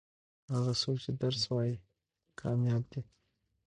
هغه څوک چې درس وايي کامياب دي.